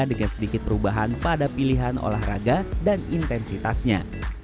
dengan sedikit perubahan pada pilihan olahraga dan intensitasnya